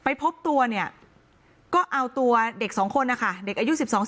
ไปพบตัวเนี่ยก็เอาตัวเด็ก๒คนนะคะเด็กอายุ๑๒๑๓